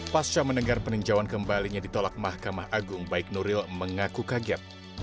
pasca mendengar peninjauan kembalinya ditolak mahkamah agung baik nuril mengaku kaget